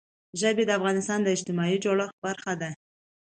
ژبې د افغانستان د اجتماعي جوړښت برخه ده.